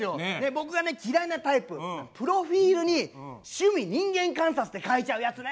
僕がね嫌いなタイププロフィールに「趣味人間観察」って書いちゃうやつね。